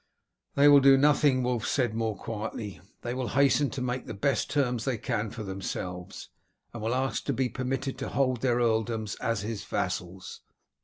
"They will do nothing," Wulf said more quietly. "They will hasten to make the best terms they can for themselves, and will ask to be permitted to hold their earldoms as his vassals.